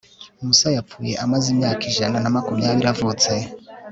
musa yapfuye amaze imyaka ijana na makumyabiri avutse